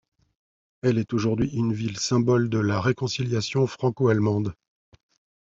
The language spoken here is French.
Elle est aujourd'hui une ville symbole de la réconciliation franco-allemande.